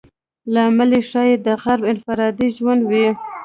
لامل یې ښایي د غرب انفرادي ژوند وي.